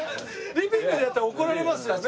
リビングでやったら怒られますよね